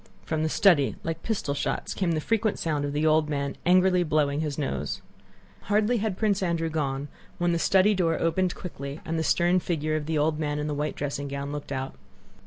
From the study, like pistol shots, came the frequent sound of the old man angrily blowing his nose. Hardly had Prince Andrew gone when the study door opened quickly and the stern figure of the old man in the white dressing gown looked out.